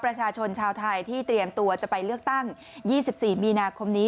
ประชาชนชาวไทยที่เตรียมตัวจะไปเลือกตั้ง๒๔มีนาคมนี้